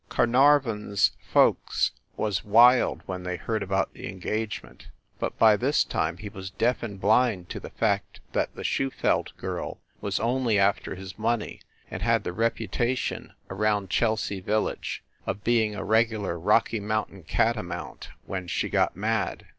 Carnarvon s folks was wild when they heard about the engagement, but by this time he was deaf and blind to the fact that the Schufelt girl was only after his money, and had the reputation around Chelsea village of being a regular Rocky Mountain catamount when she got mad.